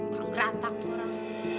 kurang geretak tuh orang